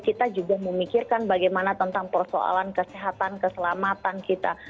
kita juga memikirkan bagaimana tentang persoalan kesehatan keselamatan kita